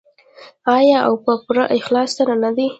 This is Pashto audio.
آیا او په پوره اخلاص سره نه دی؟